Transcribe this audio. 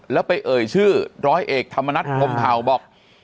แล้วไปเอ่ยชื่อร้อยเอกธรรมนัฐพรมเผาบอก